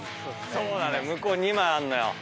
そうなのよ。